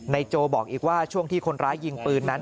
โจบอกอีกว่าช่วงที่คนร้ายยิงปืนนั้น